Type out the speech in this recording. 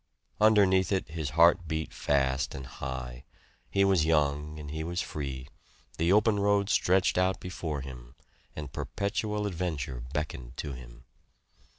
Underneath it his heart beat fast and high; he was young and he was free the open road stretched out before him, and perpetual adventure beckoned to him.